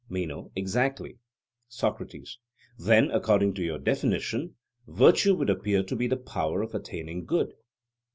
MENO: Exactly. SOCRATES: Then, according to your definition, virtue would appear to be the power of attaining good?